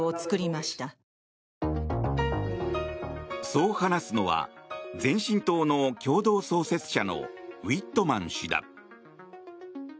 そう話すのは、前進党の共同創設者のウィットマン氏だ。